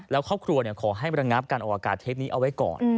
แล้วครอบครัวขอให้ระงับการออกอากาศเทปนี้เอาไว้ก่อน